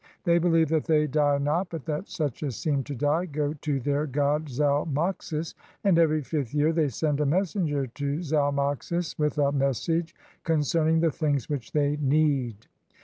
They believe that they die not, but that such as seem to die go to their god Zalmoxis. And every fifth year they send a messenger to Zalmoxis with a message concerning the things which they need.